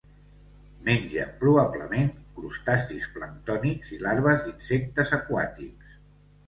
Menja, probablement, crustacis planctònics i larves d'insectes aquàtics.